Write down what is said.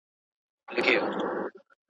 له کوچۍ پېغلي سره نه ځي د کېږدۍ سندري